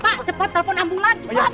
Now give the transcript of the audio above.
pak cepat telepon ambulans cepat